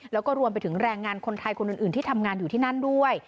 แล้วก็รวมไปถึงแรงงานคนไทยคนอื่นที่ทำงานอยู่ที่นั่นด้วย